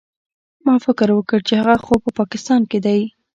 ما فکر وکړ چې هغه خو په پاکستان کښې دى.